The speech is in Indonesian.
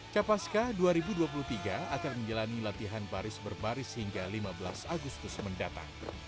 capaska dua ribu dua puluh tiga akan menjalani latihan baris berbaris hingga lima belas agustus mendatang